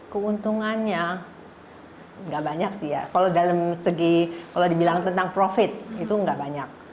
keuntungannya nggak banyak sih ya kalau dalam segi kalau dibilang tentang profit itu nggak banyak